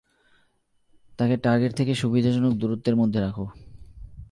তাকে টার্গেট থেকে সুবিধাজনক দূরত্বের মধ্যে রাখো।